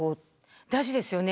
大事ですよね。